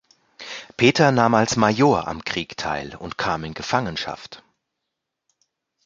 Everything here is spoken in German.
Peter nahm als Major am Krieg teil und kam in Gefangenschaft.